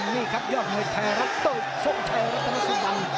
อย่างนี้ครับยอดหน่วยแทร์รัตเติ้ลโซ่แชร์แล้วก็มันสู้บัง